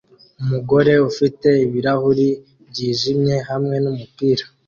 umugore ufite ibirahuri byijimye hamwe numupira